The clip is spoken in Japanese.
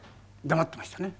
黙っていましたね。